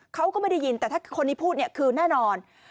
เขาก็ไม่ได้ยินแต่ถ้าคนนี้พูดเนี่ยคือแน่นอน